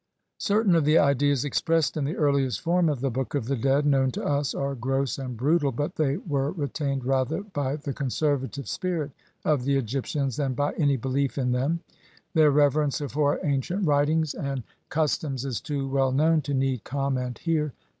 Certain of the ideas expressed in the earliest form of the Book of the Dead known to us are gross and brutal, but they were retained rather by the con servative spirit of the Egyptians than by any belief in them ; their reverence for ancient writings and THE HISTORY OF THE BOOK OF THE DEAD. XLVII customs is too well known to need comment here.